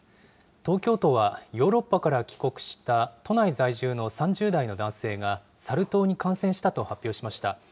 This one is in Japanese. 東京都はヨーロッパから帰国した都内在住の３０代の男性が、サル痘に感染したと発表しました。